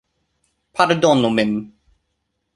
Pardonu min...